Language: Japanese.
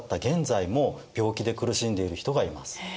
現在も病気で苦しんでいる人がいます。